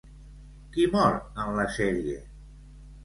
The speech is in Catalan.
Qui mor en la sèrie?